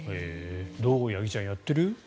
八木ちゃんやってる？